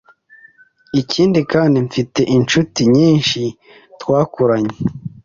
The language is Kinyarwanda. Ikindi kandi mfite inshuti nyinshi twakuranye